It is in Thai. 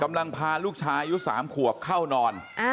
กำลังพาลูกชายอายุ๓ขวบเข้านอน